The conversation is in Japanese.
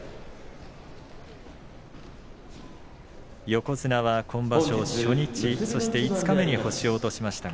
横綱は今場所、初日そして五日目に星を落としました。